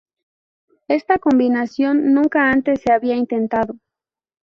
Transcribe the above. Esta combinación nunca antes se había intentado.